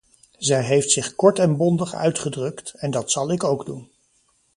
Zij heeft zich kort en bondig uitgedrukt, en dat zal ik ook doen.